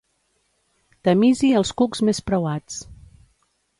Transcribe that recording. Tamisi els cucs més preuats.